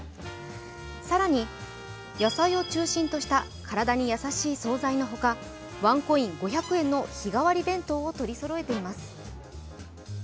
更に野菜を中心とした体に優しい総菜のほか、ワンコイン５００円の日替わり弁当を取りそろえています。